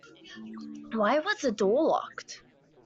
Why was the door locked?